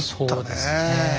そうですねえ。